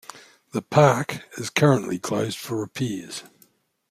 The park is currently closed for repairs.